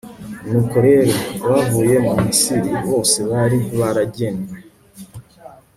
nuko rero, abavuye mu misiri bose bari baragenywe